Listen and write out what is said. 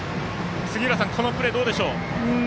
杉浦さん、このプレーどうでしょう？